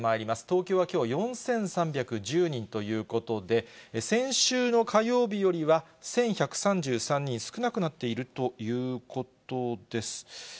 東京はきょう、４３１０人ということで、先週の火曜日よりは１１３３人少なくなっているということです。